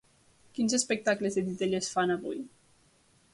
Quins espectacles de titelles fan, avui?